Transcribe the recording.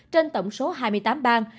trên tổng số hai mươi tám bang